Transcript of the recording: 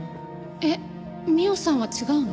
えっ美緒さんは違うの？